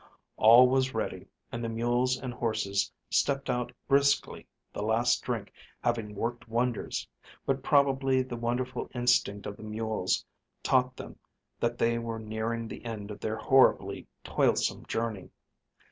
All was ready, and the mules and horses stepped out briskly, the last drink having worked wonders; but probably the wonderful instinct of the mules taught them that they were nearing the end of their horribly toilsome journey.